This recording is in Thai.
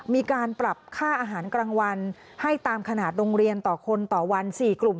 มีการปรับค่าอาหารกลางวันให้ตามขนาดโรงเรียนต่อคนต่อวัน๔กลุ่ม